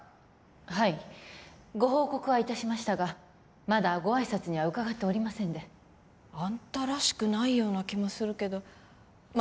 はいご報告はいたしましたがまだご挨拶には伺っておりませんであんたらしくないような気もするけどま